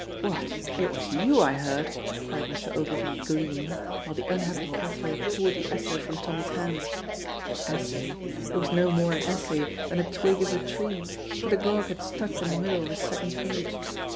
"What! It was you I heard!" cried Mr. Ogilvy gleaming, while the unhappy Cathro tore the essay from Tommy's hands. Essay! It was no more an essay than a twig is a tree, for the gowk had stuck in the middle of his second page.